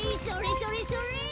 それそれそれ！